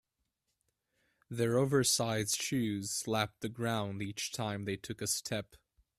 Their oversized shoes slapped the ground each time they took a step.